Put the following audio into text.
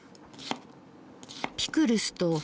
ピクルスと。